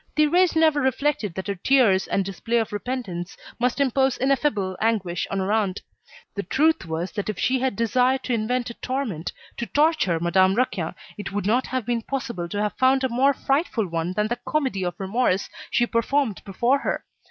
Thérèse never reflected that her tears, and display of repentance must impose ineffable anguish on her aunt. The truth was that if she had desired to invent a torment to torture Madame Raquin, it would not have been possible to have found a more frightful one than the comedy of remorse she performed before her.